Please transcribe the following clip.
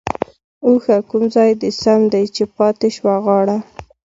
ـ اوښه کوم ځاى د سم دى ،چې پاتې شوه غاړه؟؟